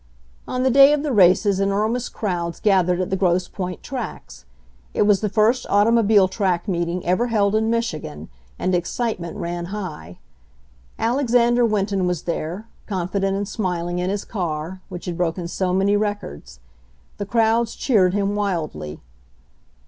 On the day of the races enormous crowds gathered at the Grosse Point tracks. It was the first automobile track meeting ever held in Mich igan, and excitement ran high. Alexander Win ton was there, confident and smiling' in his car, which had broken so many records. The crowds cheered him wildly.